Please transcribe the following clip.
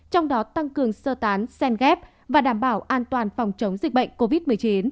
trong đó tăng cường sơ tán sen ghép và đảm bảo an toàn phòng chống dịch bệnh covid một mươi chín